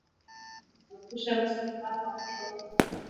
Epusha mgusano na wanyama wagonjwa